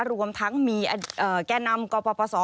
รวมทั้งมีแก่นำกปศ